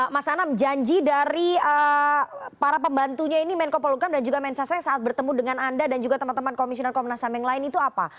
mas anam janji dari para pembantunya ini menko poluncom dan juga men sasre saat bertemu dengan anda dan juga teman teman komisional komnasam yang lain itu apa